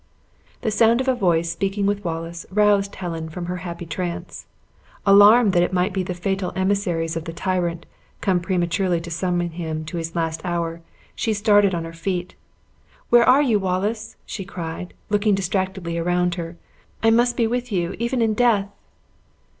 The sound of a voice speaking with Wallace roused Helen from her happy trance. Alarmed that it might be the fatal emissaries of the tyrant, come prematurely to summon him to his last hour, she started on her feet. "Where are you, Wallace?" cried she, looking distractedly around her; "I must be with you even in death!"